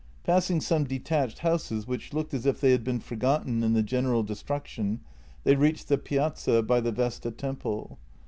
Passing some detached houses, which looked as if they had been forgotten in the general destruction, they reached the piazza by the Vesta temple.